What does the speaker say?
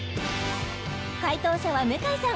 解答者は向井さん